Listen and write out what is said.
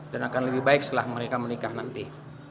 akan lebih baik setelah mereka menikah nanti